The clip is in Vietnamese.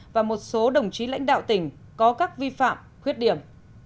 và một số đồng chí lãnh đạo tỉnh có các vi phạm khuyết điểm